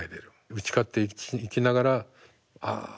打ち勝っていきながら「ああ外尾